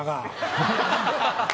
ハハハハ！